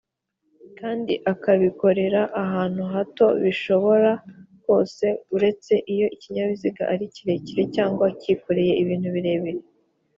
kdi akabikorera ahantu hato bishobora kose buretse iyo ikinyabiziga ari kirekire cg kikoreye ibintu birebire